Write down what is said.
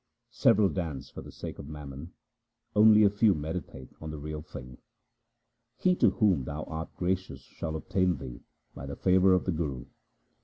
Several dance for the sake of mammon ; only a few meditate on the Real Thing. He to whom Thou art gracious shall obtain Thee by the favour of the Guru.